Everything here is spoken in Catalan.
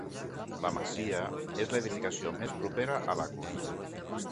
La masia és l'edificació més propera a la cruïlla.